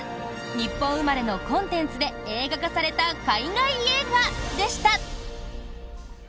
日本生まれのコンテンツで映画化された海外映画でした！